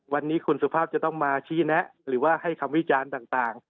วันนี้คุณสุภาพจะต้องมาชี้แนะหรือว่าให้คำวิจารณ์ต่าง